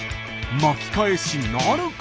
巻き返しなるか？